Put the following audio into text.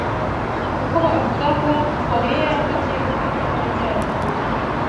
kuko bavuga ngo Koreya y’amajyepfo n’iy’amajyaruguru.